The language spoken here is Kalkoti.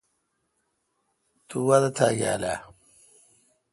تو وادہ تیاگال اہ؟